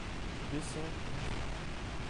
J'ai deux sœurs et un frère.